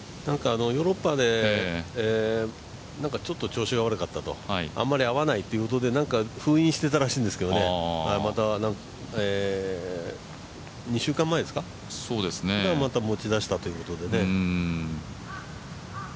ヨーロッパでちょっと調子が悪かったとあんまり合わないということで封印していたらしいんですけどまた２週間前ですか、持ち出したということでね。